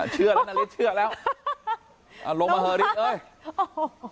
เชื่อแล้วนาฬิกเชื่อแล้วลงมาเถอะนิดหนึ่งโอ้โฮ